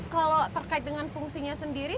kalau terkait dengan fungsinya sendiri